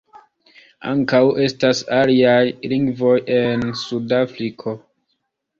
Ankaŭ estas aliaj lingvoj en Sud-Afriko.